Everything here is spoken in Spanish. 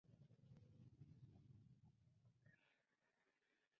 Fue atacado por aviones estadounidenses y dañado ligeramente.